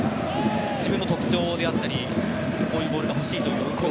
自分の特徴であったりこういうボールが欲しいという要求を。